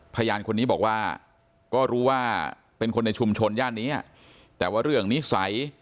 พยานคนนี้บอกว่าก็รู้ว่าเป็นคนในชุมชนย่านนี้แต่ว่าเรื่องนิสัย